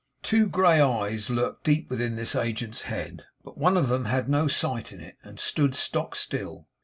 Two grey eyes lurked deep within this agent's head, but one of them had no sight in it, and stood stock still.